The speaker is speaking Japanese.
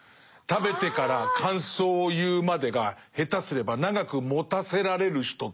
食べてから感想を言うまでが下手すれば長くもたせられる人という。